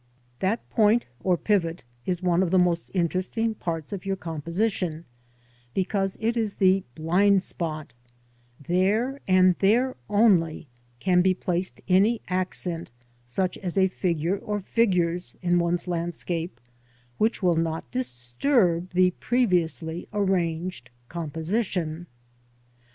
That point or pivot is one of the most interesting parts of your composition, because it is the blind spot ; there, and there only can be placed any accent such as a figure or figures in one's landscape which will not disturb the previously arranged composition.